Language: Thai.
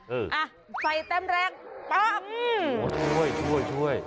อืมอ่ะใส่เต็มแรกอ๋อช่วยช่วยช่วย